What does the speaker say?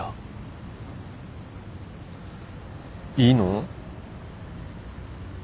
いいの？